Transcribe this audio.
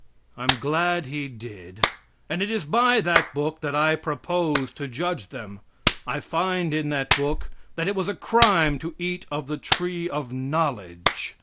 I am glad he did, and it is by that book that I propose to judge them. I find in that book that it was a crime to eat of the tree of knowledge.